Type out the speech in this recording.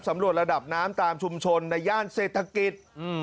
ระดับน้ำตามชุมชนในย่านเศรษฐกิจ